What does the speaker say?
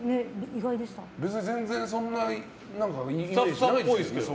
別にそんな全然イメージないですけどね。